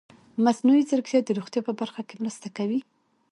مصنوعي ځیرکتیا د روغتیا په برخه کې مرسته کوي.